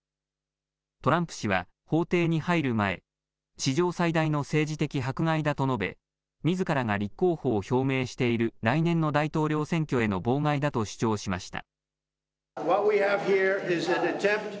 トランプ氏は法廷に入る前、史上最大の政治的迫害だと述べみずからが立候補を表明している来年の大統領選挙への妨害だと主張しました。